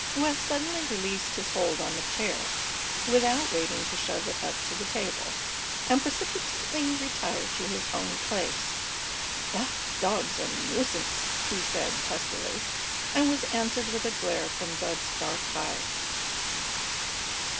West suddenly released his hold on the chair without waiting to shove it up to the table, and precipitately retired to his own place. "That dog's a nuisance!" he said, testily, and was answered with a glare from Bud's dark eyes.